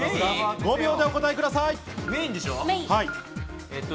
５秒でお答えください。